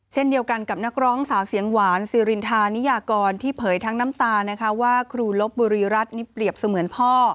เช่นเดียวกันกับนักร้องสาวเสียงหวานซีรินทานิยากรที่เผยทั้งน้ำตานะคะว่าครูลบบุรีรัฐนี่เปรียบเสมือนพ่อ